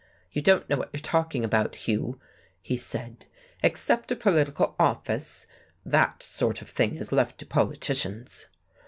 "You don't know what you're talking about, Hugh," he said. "Accept a political office! That sort of thing is left to politicians."